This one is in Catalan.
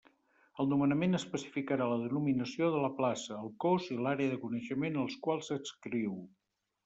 El nomenament especificarà la denominació de la plaça, el cos i l'àrea de coneixement als quals s'adscriu.